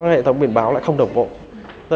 hệ thống biển báo lại không đồng bộ